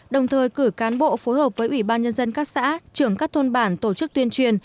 đồng thời cử cán bộ phối hợp với ủy ban nhân dân các xã trưởng các thôn bản tổ chức tuyên truyền